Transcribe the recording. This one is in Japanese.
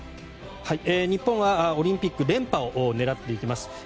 日本はオリンピック連覇を狙っていきます。